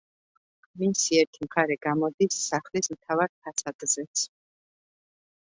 მისი ერთი მხარე გამოდის სახლის მთავარ ფასადზეც.